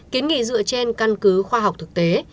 kiến nghị dựa trên căn cứ khoa học thực tế